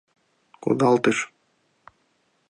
Кудалтыш.